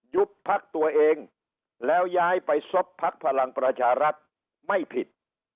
ยุบพักตัวเองแล้วย้ายไปซบพักพลังประชารัฐไม่ผิด